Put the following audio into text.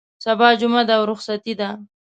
سبا جمعه ده او رخصتي ده.